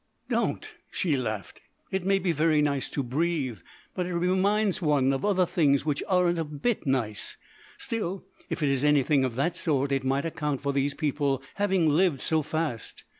"Don't!" she laughed; "it may be very nice to breathe, but it reminds one of other things which aren't a bit nice. Still, if it is anything of that sort it might account for these people having lived so fast.